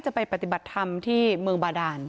จะไปปฏิบัติธรรมที่เมืองบาดาน